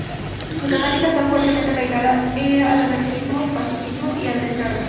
Su temática está fuertemente arraigada al anarquismo, pacifismo y al desarme.